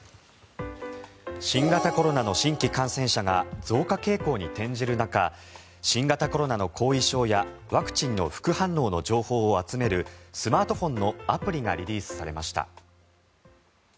新型コロナの新規感染者が増加傾向に転じる中新型コロナの後遺症やワクチンの副反応の情報を集めるスマートフォンのアプリがリリースされました。